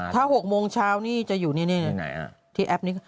ถ้า๖โมงเช้านี่จะอยู่นี่ที่แอปนี้